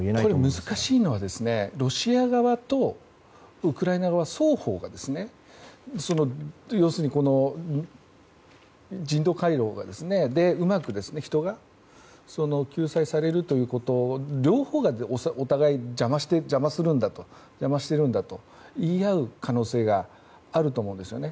難しいのはロシア側とウクライナ側は、双方が人道回廊でうまく人が救済されるということその両方をお互いが邪魔しているんだと言い合う可能性があると思うんですよね。